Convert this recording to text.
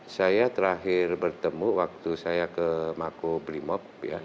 saya terakhir bertemu waktu saya ke mako brimob